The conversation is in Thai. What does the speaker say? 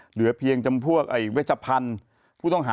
เหลือเพียงจมพวกเศรษฐภัณฑ์